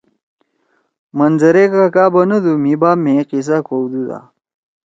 منظرے کاکا بنہ دو مھی باپ مھیے قیصہ کودو دا۔